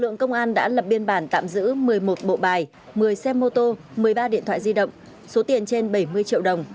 lực lượng công an đã lập biên bản tạm giữ một mươi một bộ bài một mươi xe mô tô một mươi ba điện thoại di động số tiền trên bảy mươi triệu đồng